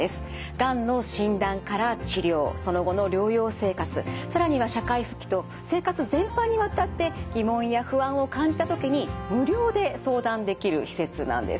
がんの診断から治療その後の療養生活更には社会復帰と生活全般にわたって疑問や不安を感じた時に無料で相談できる施設なんです。